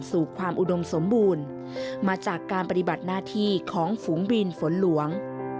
สู่ความอุดมสมบูรณ์มาจากการปฏิบัติหน้าที่ของฝูงบินฝนหลวง